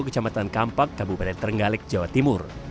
kecamatan kampak kabupaten terenggalek jawa timur